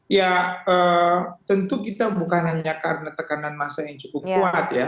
ya tentu kita bukan hanya karena tekanan massa yang cukup kuat ya